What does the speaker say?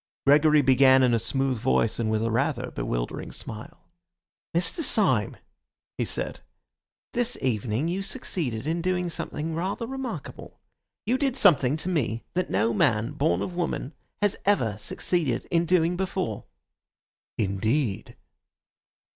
Gregory began in a smooth voice and with a rather bewildering smile. "Mr. Syme," he said, "this evening you succeeded in doing something rather remarkable. You did something to me that no man born of woman has ever succeeded in doing before." "Indeed!"